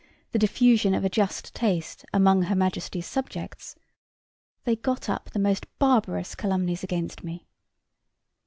the diffusion of a just taste among her majesty's subjects, they got up the most barbarous calumnies against me.